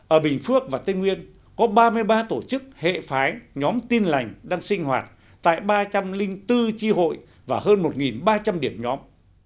ở bình phước và tây nguyên có ba mươi ba tổ chức hệ phái nhóm tin lành đang sinh hoạt tại ba trăm linh bốn tri hội và hơn một ba trăm linh điểm nhóm